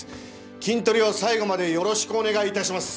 キントリを最後までよろしくお願い致します。